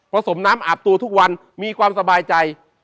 สมน้ำอาบตัวทุกวันมีความสบายใจ